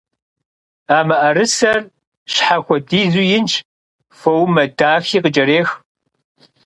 А мыӀэрысэр щхьэ хуэдизу инщ, фоумэ дахи къыкӀэрех.